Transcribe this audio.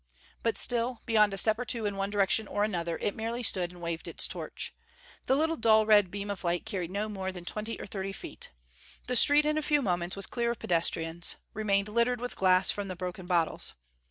But still, beyond a step or two in one direction or another, it merely stood and waved its torch. The little dull red beam of light carried no more than twenty or thirty feet. The street in a few moments was clear of pedestrians; remained littered with glass from the broken bottles.